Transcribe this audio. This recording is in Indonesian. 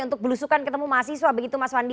untuk belusukan ketemu mahasiswa begitu mas wandi